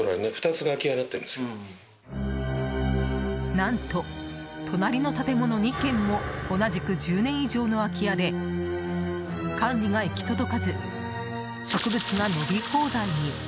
何と、隣の建物２軒も同じく１０年以上の空き家で管理が行き届かず植物が伸び放題に。